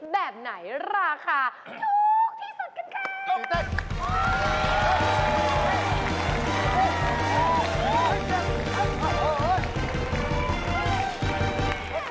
แบบไหนราคาถูกที่สุดกันครับ